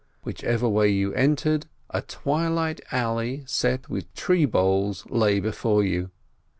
Whichever way you entered a twilight alley set with tree boles lay before you.